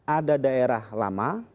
ada daerah lama